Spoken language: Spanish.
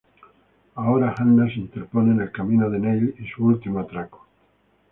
Ahora Hanna se interpone en el camino de Neil y su último atraco.